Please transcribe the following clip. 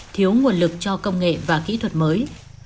thiếu nguồn lực cho công nghệ và kỹ thuật mới